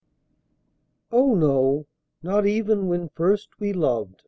s. OH, NO NOT EVEN WHEN FIRST WE LOVED.